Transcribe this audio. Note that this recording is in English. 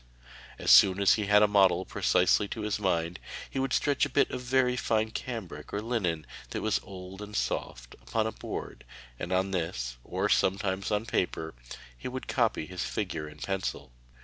As soon as he had a model precisely to his mind, he would stretch a bit of very fine cambric or linen, that was old and soft, upon a board, and on this or sometimes on paper he would copy his figure in pencil.